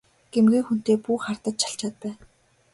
Гэмгүй хүнтэй бүү хардаж чалчаад бай!